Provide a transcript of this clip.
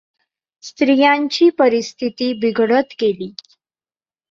स्त्रियांची परिस्थिती बिघडत गेली.